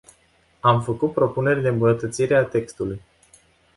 Am făcut propuneri de îmbunătățire a textului.